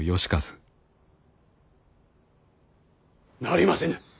なりませぬ。